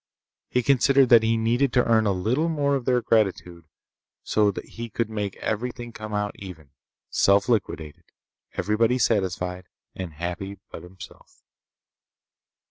He considered that he needed to earn a little more of their gratitude so he could make everything come out even; self liquidated; everybody satisfied and happy but himself.